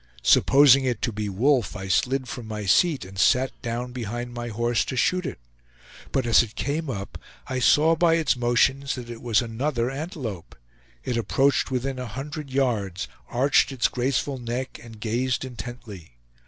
Supposing it to be wolf, I slid from my seat and sat down behind my horse to shoot it; but as it came up, I saw by its motions that it was another antelope. It approached within a hundred yards, arched its graceful neck, and gazed intently.